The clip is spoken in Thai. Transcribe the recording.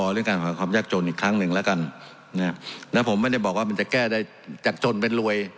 เรื่องการหาความยากจนอีกครั้งหนึ่งแล้วกันนะผมไม่ได้บอกว่ามันจะแก้ได้จากจนเป็นรวย